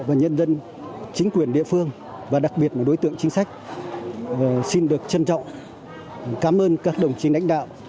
và nhân dân chính quyền địa phương và đặc biệt là đối tượng chính sách xin được trân trọng cảm ơn các đồng chí đánh đạo